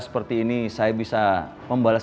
seperti ini saya bisa membalas